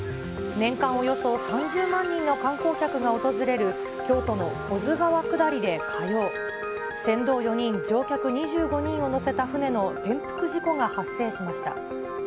年間およそ３０万人の観光客が訪れる、京都の保津川下りで火曜、船頭４人、乗客２５人を乗せた船の転覆事故が発生しました。